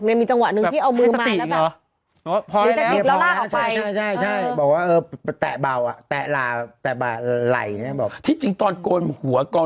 ไม่มีจังหวะนึงที่เอามือมาแล้วกัน